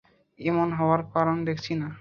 এমন হওয়ার কারণ দেখছি না।